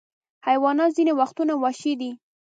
حیوانات ځینې وختونه وحشي دي.